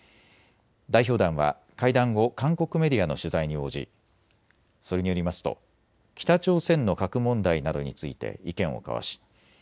代表団は会談後、韓国メディアの取材に応じそれによりますと北朝鮮の核問題などについて意見を交わし